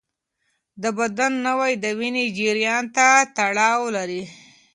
د بدن بوی د وینې جریان ته تړاو لري.